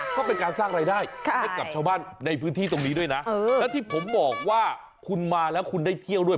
ก็เป็นการสร้างรายได้ให้กับชาวบ้านในพื้นที่ตรงนี้ด้วยนะแล้วที่ผมบอกว่าคุณมาแล้วคุณได้เที่ยวด้วย